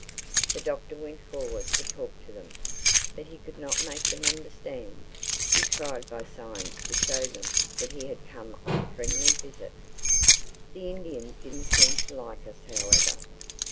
The Doctor went forward to talk to them. But he could not make them understand. He tried by signs to show them that he had come on a friendly visit. The Indians didn't seem to like us however.